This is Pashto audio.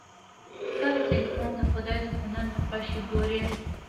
کله چې انسان د خدای د هنر نقاشي ګوري